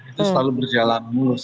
itu selalu berjalan mulus